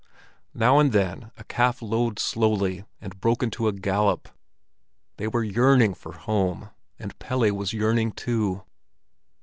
Now and then a calf lowed slowly and broke into a gallop. They were yearning for home, and Pelle was yearning too.